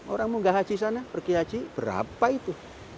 orang mau nggak haji sana pergi haji berapa itu